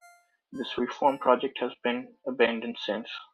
This reform project has since been abandoned.